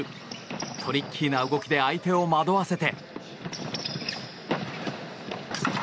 トリッキーな動きで相手を惑わせて。